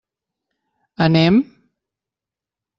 Anem?